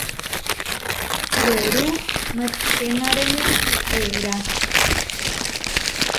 Werú mačihenaréne eerá.